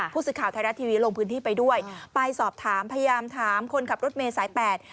ผู้สื่อข่าวไทยรัฐทีวีลงพื้นที่ไปด้วยไปสอบถามพยายามถามคนขับรถเมย์สายแปด